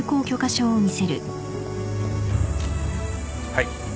はい。